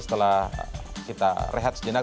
setelah kita rehat sejenak